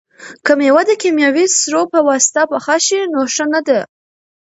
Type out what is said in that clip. که مېوه د کیمیاوي سرو په واسطه پخه شي نو ښه نه ده.